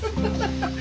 ハハハハ！